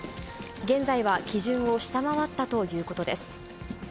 現在は基準を下回ったということです。